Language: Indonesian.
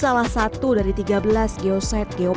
tau pem sucedernya untuk badan ber cetakan